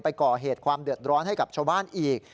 ไปก่อเหตุความเดือดร้อนให้กับชาวบ้านอีก